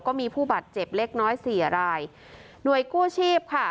ก็มีผู้บาดเจ็บเล็กน้อยสี่รายหน่วยกู้ชีพค่ะ